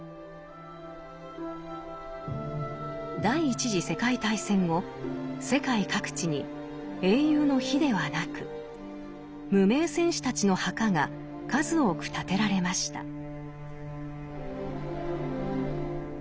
第一次世界大戦後世界各地に英雄の碑ではなく無名戦士たちの墓が数多く建てられました。